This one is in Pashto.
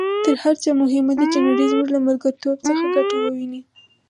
تر هر څه مهمه ده چې نړۍ زموږ له ملګرتوب څخه ګټه وویني.